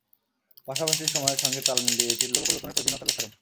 পাশাপাশি সময়ের সঙ্গে তাল মিলিয়ে এটির লোগো পরিবর্তনের প্রয়োজনীয়তার ব্যাখ্যা দেন।